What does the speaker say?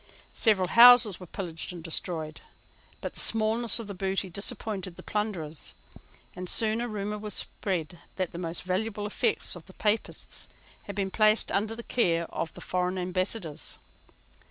Several houses were pillaged and destroyed: but the smallness of the booty disappointed the plunderers; and soon a rumour was spread that the most valuable effects of the Papists had been placed under the care of the foreign Ambassadors.